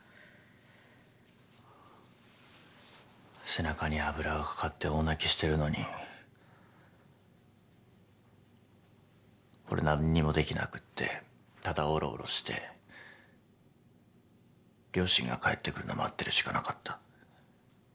背中に油が掛かって大泣きしてるのに俺何にもできなくってただおろおろして両親が帰ってくるの待ってるしかなかった。